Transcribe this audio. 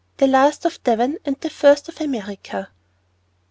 THE LAST OF DEVON AND THE FIRST OF AMERICA.